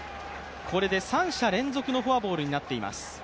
これで三者連続のフォアボールになっています。